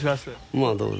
まあどうぞ。